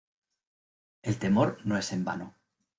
El temor no es en vano.